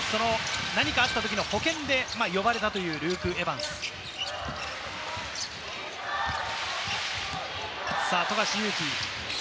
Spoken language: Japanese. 何かあったときの保険で呼ばれたというルーク・エヴァンスです。